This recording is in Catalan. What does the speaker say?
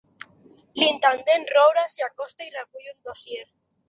L'intendent Roure s'hi acosta i recull un dossier.